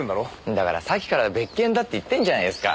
だからさっきから別件だって言ってるじゃないですか。